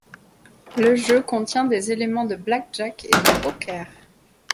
Le jeu contient des éléments de blackjack et de poker.